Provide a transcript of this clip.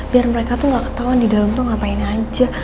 biar mereka tuh gak ketahuan di dalam tuh ngapain aja